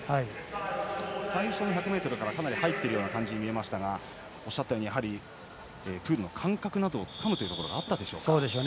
最初の１００ｍからかなり入っているような感じに見えましたがおっしゃったように、やはりプールの感覚などをつかみたいというところがあったでしょうか。